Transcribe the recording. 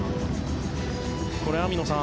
これ、網野さん